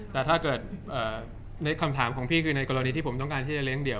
แต่ถ้าเกิดในคำถามของพี่คือในกรณีที่ผมต้องการที่จะเลี้ยเดี่ยว